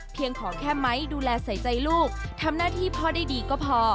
ขอแค่ไม้ดูแลใส่ใจลูกทำหน้าที่พ่อได้ดีก็พอ